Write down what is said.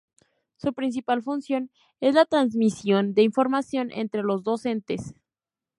Su principal función es la transmisión de información entre los dos entes.